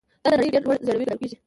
دا د نړۍ ډېر لوړ ځړوی ګڼل کیږي.